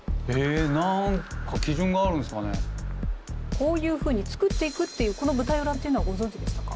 こういうふうに作っていくっていうこの舞台裏っていうのはご存じでしたか？